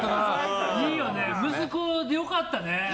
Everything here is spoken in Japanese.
息子でよかったね。